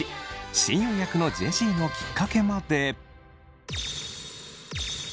親友役のジェシーのきっかけまで。